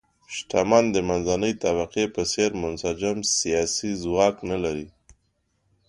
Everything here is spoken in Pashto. شتمن د منځنۍ طبقې په څېر منسجم سیاسي ځواک نه لري.